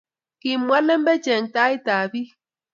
Kimwa lembech eng tait ab bik